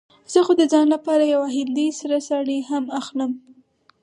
زه خو د ځان لپاره يوه هندۍ سره ساړي هم اخلم.